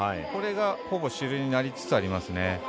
これがほぼ主流になりつつありますね。